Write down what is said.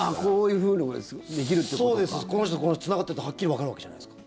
この人とこの人つながってるってはっきりわかるわけじゃないですか。